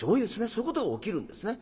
そういうことが起きるんですね。